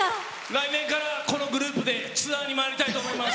来年からこのグループでツアーにまいりたいと思います。